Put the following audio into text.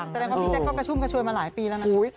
แสดงว่าพี่แจ๊ก็กระชุ่มกระชวยมาหลายปีแล้วนะ